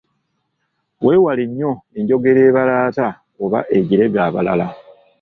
Weewale nnyo enjogera ebalaata oba ejerega abalala.